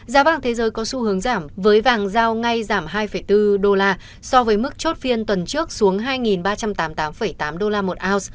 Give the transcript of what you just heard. giá vàng thế giới có xu hướng giảm với vàng giao ngay giảm hai bốn đô la so với mức chốt phiên tuần trước xuống hai ba trăm tám mươi tám tám đô la một ounce